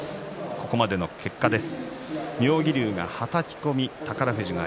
ここまでの結果です。